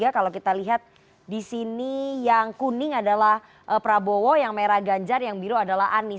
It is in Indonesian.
kalau kita lihat di sini yang kuning adalah prabowo yang merah ganjar yang biru adalah anies